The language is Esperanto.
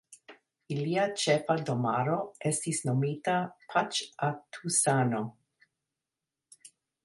Ilia ĉefa domaro estis nomita Paĉatusano.